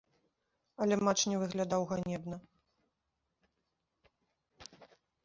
Але матч не выглядаў ганебна.